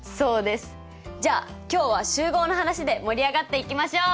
じゃ今日は集合の話で盛り上がっていきましょう！